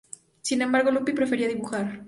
Sin embargo, Luppi prefería dibujar.